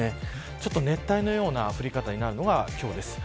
ちょっと熱帯のような降り方になるのが今日です。